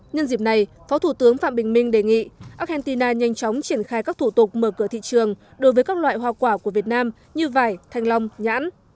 nhân dịp này phó thủ tướng phạm bình minh đề nghị argentina nhanh chóng triển khai các thủ tục mở cửa thị trường đối với các loại hoa quả của việt nam như vải thanh long nhãn